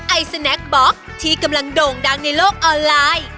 ไอสแนคบล็อกที่กำลังโด่งดังในโลกออนไลน์